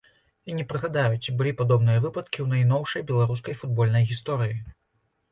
І не прыгадаю, ці былі падобныя выпадкі ў найноўшай беларускай футбольнай гісторыі.